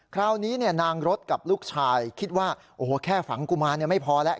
คราวนี้นางรถกับลูกชายคิดว่าโอ้โหแค่ฝังกุมารไม่พอแล้ว